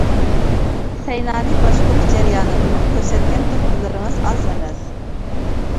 سەينانى باشقۇرۇش جەريانىدىمۇ كۆرسەتكەن تۆھپىلىرىڭىز ئاز ئەمەس.